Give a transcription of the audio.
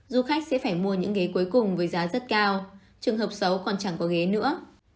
du khách sẽ phải mua những ghế cuối cùng với giá rất cao trường hợp xấu còn chẳng có ghế nữa